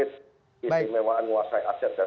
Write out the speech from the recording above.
ini memang menguasai aset